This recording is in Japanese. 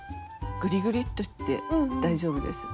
グリグリッとして大丈夫です。